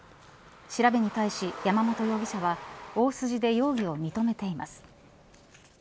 調べに対し山本容疑者は大筋で容疑を認めています。